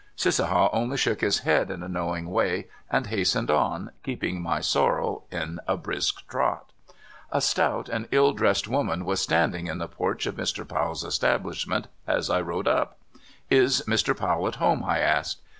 Cissaha only shook his head in a knowing way and hastened on, keeping my sorrel in a brisk trot. A stout and ill dressed woman was standing in the porch of Mr. Powell's establishment as I rode up. *' Is Mr Powell at home? " I asked.